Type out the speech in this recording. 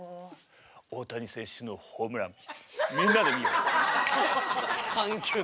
大谷選手のホームランみんなで見よう。